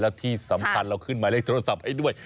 และที่สำคัญเราขึ้นหมายเลขโทรศัพท์ให้ด้วย